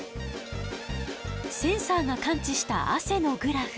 センサーが感知した汗のグラフ。